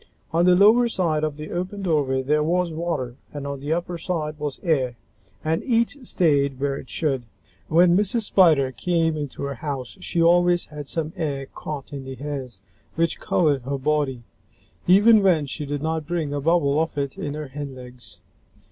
On the lower side of the open doorway there was water and on the upper side was air, and each stayed where it should. When Mrs. Spider came into her house, she always had some air caught in the hairs which covered her body, even when she did not bring a bubble of it in her hindlegs.